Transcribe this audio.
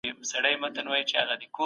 تعليم د ځان وده کوي.